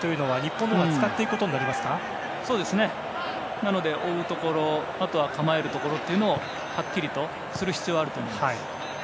なので、追うところあとは、構えるところをはっきりする必要があると思います。